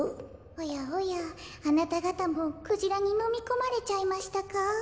おやおやあなたがたもクジラにのみこまれちゃいましたか？